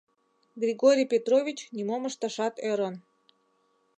Григорий Петрович нимом ышташат ӧрын...